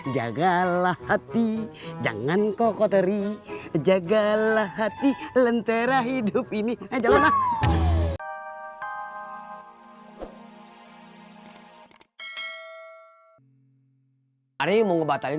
jagalah hati jangan kokoteri jagalah hati lentera hidup ini aja lah hari mau ngebatalin